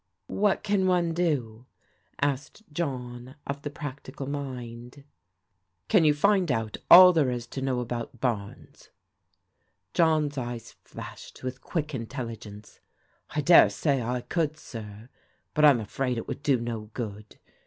"What can one do?" asked John of the practical mind. " Can you find out all there is to know about Barnes ?" John's eyes flashed with quick intelligence. " I dare say I could, sir; but I'm afraid it would do no good.